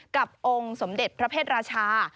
กับองค์สมเด็จพระเพศราชา